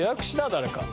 誰か。